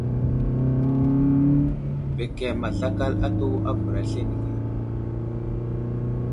Bəkəm azlakal atu a bəra aslane ge.